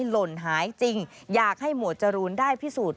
หล่นหายจริงอยากให้หมวดจรูนได้พิสูจน์